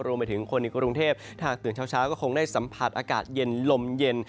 รวมไปถึงคนในกรุงเทพถ้าหากตื่นเช้าก็คงได้สัมผัสอากาศเย็นลมเย็น